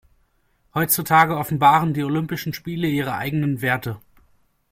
Heutzutage offenbaren die Olympischen Spiele ihre eigenen Werte.